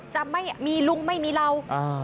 จะไม่มีลุงไม่มีเรา